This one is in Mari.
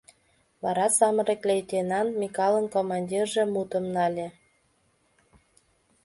Вара самырык лейтенант, Микалын командирже, мутым нале: